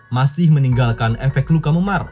masih meninggalkan efek luka memar